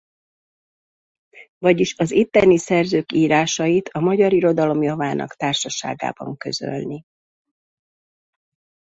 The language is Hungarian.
Vagyis az itteni szerzők írásait a magyar irodalom javának társaságában közölni.